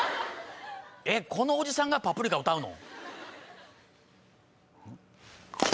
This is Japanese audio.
このおじさんが『パプリカ』歌うの？